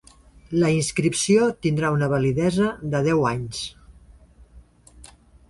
La inscripció tindrà una validesa de deu anys.